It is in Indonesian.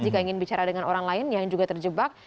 jika ingin bicara dengan orang lain yang juga terjebak